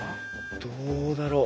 どうだろ？